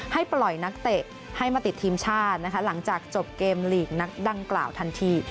ให้ปล่อยนักเตะให้มาติดทีมชาตินะคะหลังจากจบเกมลีกนักดังกล่าวทันที